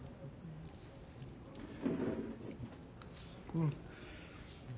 うん。